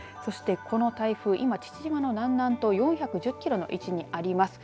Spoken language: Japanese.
この台風、父島の南南東４１０キロの位置にあります。